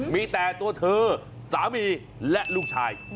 มีแต่ตัวเธอสามีและลูกชาย